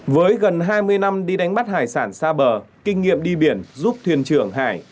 với gần hai mươi năm đi đánh bắt hải sản xa bờ kinh nghiệm đi biển giúp thuyền trưởng hải